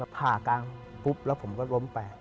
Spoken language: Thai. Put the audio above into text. ผ่ากลางปุ๊บแล้วผมก็ล้มไป